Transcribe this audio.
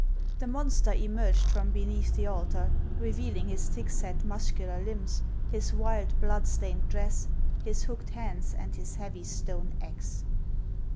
The monster emerged from beneath the altar, revealing his thick set, muscular limbs, his wild, blood stained dress, his hooked hands, and his heavy stone axe.